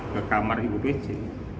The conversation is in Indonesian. ke kamar ibu pece